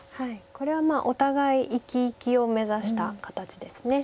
これはお互い生き生きを目指した形です。